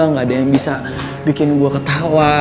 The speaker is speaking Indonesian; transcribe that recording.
nggak ada yang bisa bikin gue ketawa